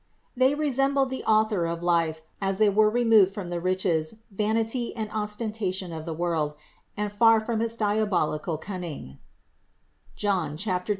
They resembled the Author of life, as they were removed from the riches, vanity and ostentation of the world and far from its dia bolical cunning (John 10, 14).